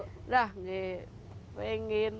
tidak tidak pengen